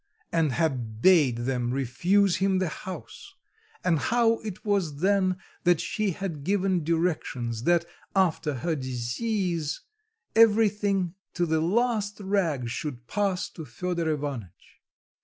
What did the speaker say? and had bade them refuse him the house; and how it was then that she had given directions that, after her decease, everything to the last rag should pass to Fedor Ivanitch.